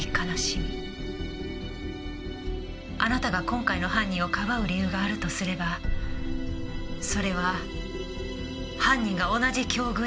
あなたが今回の犯人をかばう理由があるとすればそれは犯人が同じ境遇にあるから。